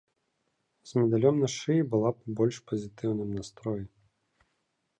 З медалём на шыі была б у больш пазітыўным настроі.